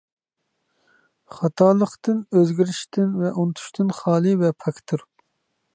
خاتالىقتىن، ئۆزگىرىشتىن ۋە ئۇنتۇشتىن خالى ۋە پاكتۇر.